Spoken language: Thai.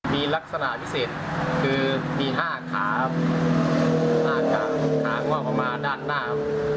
มีลักษณะพิเศษคือมี๕ขาขาง่วงมามาด้านหน้า